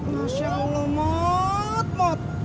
masya allah mod mod